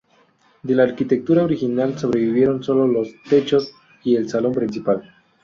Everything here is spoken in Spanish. De la arquitectura original sobrevivieron solo los techos y el salón principal.